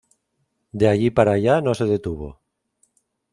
De allí para allá no se detuvo.